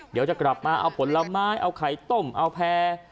เดี๋ยวจะกลับมาเอาผลไม้เอาไข่ต้มเอาแพร่